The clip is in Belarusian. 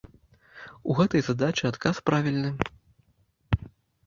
У гэтай задачы адказ правільны.